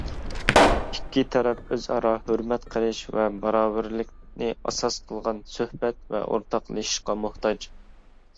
ئىككى تەرەپ ئۆزئارا ھۆرمەت قىلىش ۋە باراۋەرلىكنى ئاساس قىلغان سۆھبەت ۋە ئورتاقلىشىشقا موھتاج.